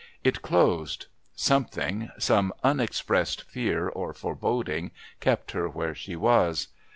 It closed. Something some unexpressed fear or foreboding kept her where she was.